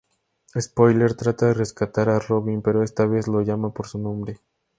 Spoiler trata de rescatar a Robin, pero esta vez lo llama por su nombre.